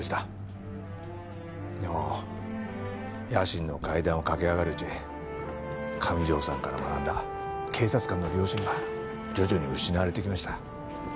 でも野心の階段を駆け上がるうち上條さんから学んだ警察官の良心は徐々に失われていきました。